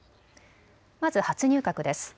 まず初入閣です。